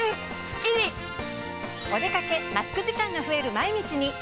お出掛けマスク時間が増える毎日に。